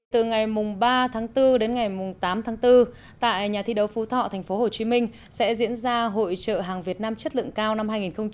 từ ngày ba tháng bốn đến ngày tám tháng bốn tại nhà thi đấu phú thọ tp hcm sẽ diễn ra hội trợ hàng việt nam chất lượng cao năm hai nghìn hai mươi